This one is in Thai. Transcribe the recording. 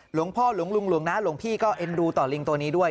หลวงพ่อหลวงลุงหลวงนะหลวงพี่ก็เอ็นดูต่อลิงตัวนี้ด้วย